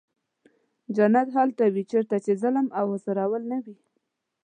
جنت هلته وي چېرته چې ظلم او ازارول نه وي.